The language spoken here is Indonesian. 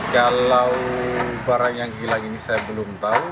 kalau barang yang hilang ini saya belum tahu